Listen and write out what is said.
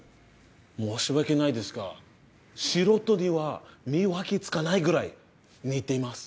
申し訳ないですが素人には見分けつかないぐらい似ています。